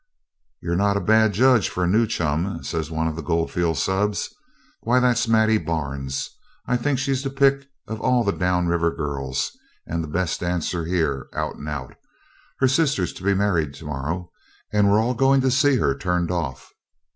'You're not a bad judge for a new chum,' says one of the goldfield subs. 'Why, that's Maddie Barnes. I think she's the pick of all the down the river girls, and the best dancer here, out and out. Her sister's to be married to morrow, and we're all going to see her turned off.'